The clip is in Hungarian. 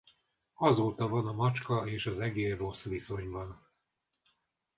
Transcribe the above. Azóta van a macska és az egér rossz viszonyban.